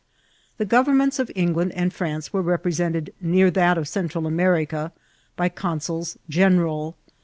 The governments of England and France were repre sented near that of Central America by consuls general.